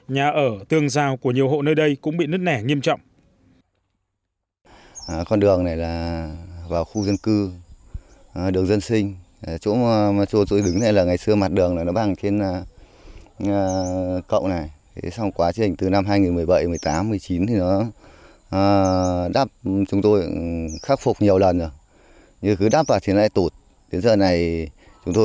nhà ở tương giao của nhiều hộ nơi đây cũng bị nứt nẻ nghiêm trọng